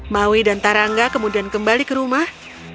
maui dan tarangga kemudian kembali ke rumah